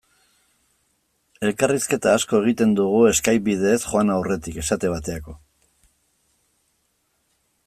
Elkarrizketa asko egiten dugu Skype bidez joan aurretik, esate baterako.